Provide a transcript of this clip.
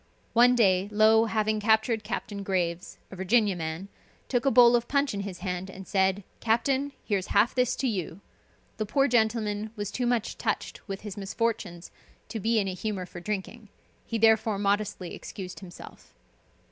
One day Low having captured Captain Graves, a Virginia man, took a bowl of punch in his hand, and said, "Captain, here's half this to you." The poor gentleman was too much touched with his misfortunes to be in a humor for drinking, he therefore modestly excused himself.